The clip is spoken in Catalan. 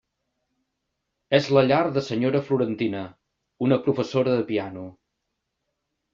És la llar de senyora Florentina, una professora de piano.